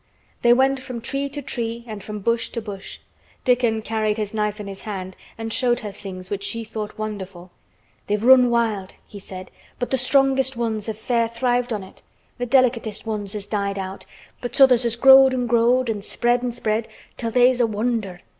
They went from tree to tree and from bush to bush. Dickon carried his knife in his hand and showed her things which she thought wonderful. "They've run wild," he said, "but th' strongest ones has fair thrived on it. The delicatest ones has died out, but th' others has growed an' growed, an' spread an' spread, till they's a wonder.